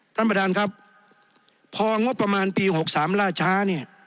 ท่านประธานครับพองบประมาณปี๖๓ล่าช้าเนี่ย